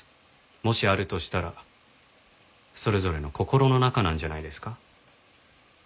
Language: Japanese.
もしあるとしたらそれぞれの心の中なんじゃないですか？